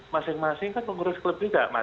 masing masing kan pengurus klub juga mas